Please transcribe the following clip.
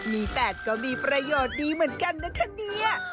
มีแต่ก็มีประโยชน์ดีเหมือนกันนะคะเนี่ย